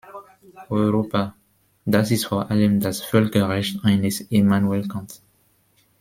Europa, das ist vor allem das Völkerrecht eines Immanuel Kant.